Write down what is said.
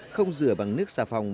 không rửa bằng nước xà phòng